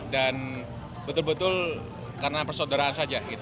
dan betul betul karena persodokan